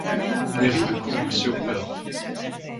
Mairie de Courville-sur-Eure.